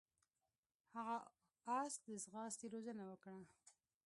هغه اس ته د ځغاستې روزنه ورکړه.